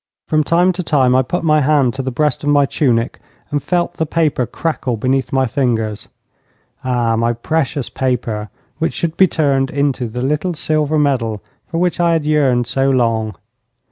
From time to time I put my hand to the breast of my tunic and felt the paper crackle beneath my fingers. Ah, my precious paper, which should be turned into the little silver medal for which I had yearned so long.